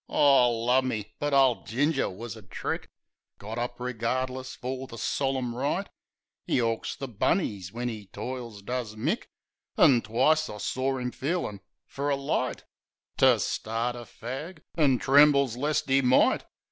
O, lumme! But ole Ginger was a trick! Got up regardless fer the solim rite. ('E 'awks the bunnies when 'e toils, does Mick) An' twice I saw 'im feelin' fer a light To start a fag; an' trembles lest 'e might.